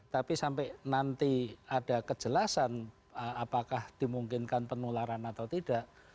tapi sampai nanti ada kejelasan apakah dimungkinkan penularan atau tidak